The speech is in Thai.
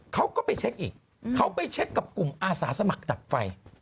เขาก็ไปเช็คอีกเขาไปเช็คกับกลุ่มอาสาสมัครดับไฟ